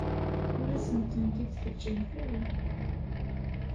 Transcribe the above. Ur asen-tent-id-teǧǧamt ara.